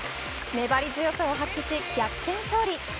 粘り強さを発揮し逆転勝利。